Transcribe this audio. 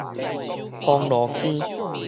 風路坑